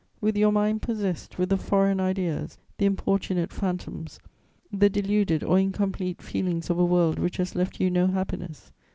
With your mind possessed with the foreign ideas, the importunate phantoms, the deluded or incomplete feelings of a world which has left you no happiness.